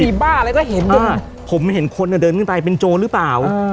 มีบ้าอะไรก็เห็นผมเห็นคนเดินขึ้นไปเป็นโจรหรือเปล่า